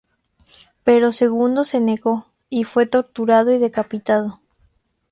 Pero Segundo se negó, y fue torturado y decapitado.